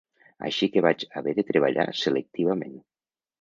Així que vaig haver de treballar selectivament.